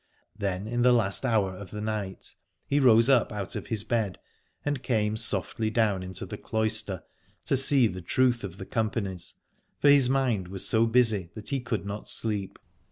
Then in the last hour of the night he rose up out of his bed and came softly down into the cloister to see the truth of the companies, for his mind was so busy that he could not sleep.